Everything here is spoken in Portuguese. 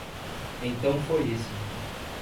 Então foi isso.